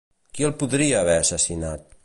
Qui el podria haver assassinat?